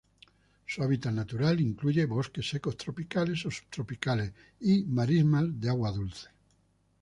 Su hábitat natural incluye bosques secos tropicales o subtropicales y marismas de agua dulce.